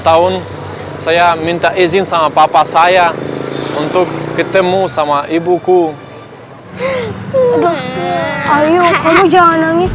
tahun saya minta izin sama papa saya untuk ketemu sama ibuku ayo kamu jangan nangis